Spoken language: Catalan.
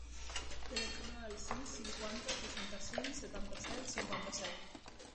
Telefona al sis, cinquanta, seixanta-cinc, setanta-set, cinquanta-set.